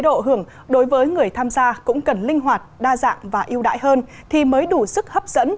độ đối với người tham gia cũng cần linh hoạt đa dạng và yêu đại hơn thì mới đủ sức hấp dẫn